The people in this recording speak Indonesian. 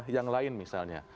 yang lain misalnya